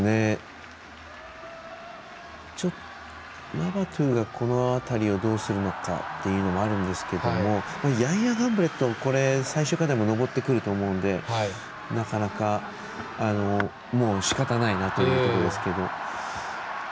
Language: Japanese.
ラバトゥがこの辺りをどうするのかっていうのがあると思うんですけどヤンヤ・ガンブレットが最終課題も登ってくると思うのでなかなか、しかたないなというところですが。